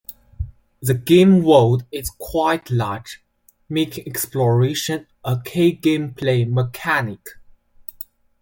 The game world is quite large, making exploration a key gameplay mechanic.